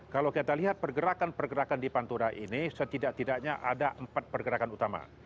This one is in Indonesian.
kalau kita lihat pergerakan pergerakan di pantura ini setidak tidaknya ada empat pergerakan utama